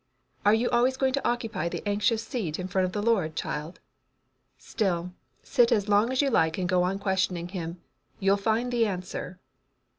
"Are you always going to occupy the anxious seat in front of the Lord, child? Still, sit as long as you like and go on questioning Him. You'll find the answer."